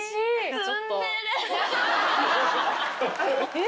えっ？